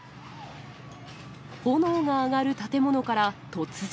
炎が上がる建物から突然。